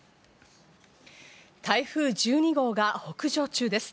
台風１２号が北上中です。